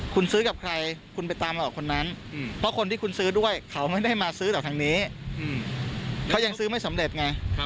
คุณซื้อกับใครคุณไปตามเรากับคนนั้นเพราะคนที่คุณซื้อด้วยเขาไม่ได้มาซื้อต่อทางนี้เขายังซื้อไม่สำเร็จไง